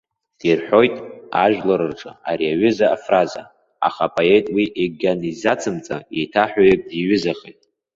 Ирҳәоит ажәлар рҿы ари аҩыза афраза, аха апоет уи егьанизацымҵа, еиҭаҳәаҩык диҩызахеит.